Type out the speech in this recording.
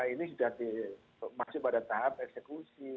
ini sudah masuk pada tahap eksekusi